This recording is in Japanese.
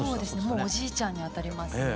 もうおじいちゃんにあたりますね。